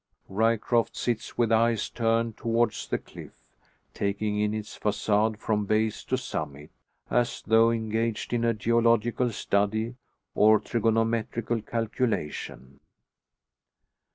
Ryecroft sits with eyes turned towards the cliff, taking in its facade from base to summit, as though engaged in a geological study, or trigonometrical calculation.